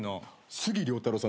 杉良太郎さん